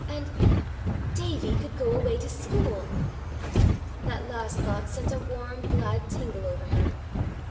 And Davy could go away to school! That last thought sent a warm glad tingle over her.